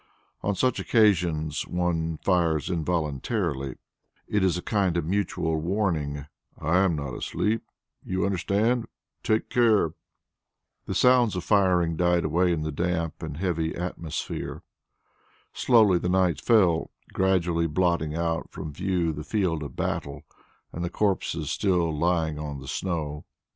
On such occasions one fires involuntarily; it is a kind of mutual warning, "I am not asleep, you understand; take care!" The sounds of firing died away in the damp and heavy atmosphere. Slowly the night fell, gradually blotting out from view the field of battle, and the corpses still lying on the snow.